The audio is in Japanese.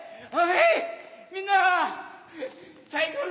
みんな！